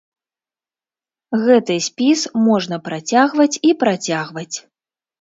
Гэты спіс можна працягваць і працягваць.